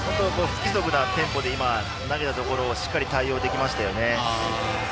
不規則なテンポで投げたところにしっかりと対応できましたね。